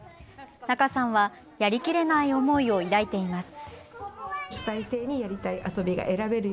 仲さんはやりきれない思いを抱いています。